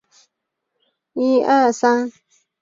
国际关系学院是伊朗一所高等教育学校。